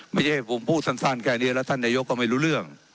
ไม่ใช่ผมพูดสั้นแค่นี้แล้วท่านนายกก็ไม่รู้เรื่อง